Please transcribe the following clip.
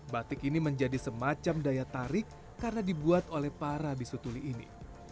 batik ini menjadi semacam daya tarik karena dibuat oleh para bisu tuli ini